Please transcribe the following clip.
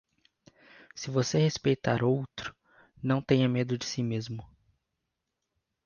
Se você respeitar outro, não tenha medo de si mesmo.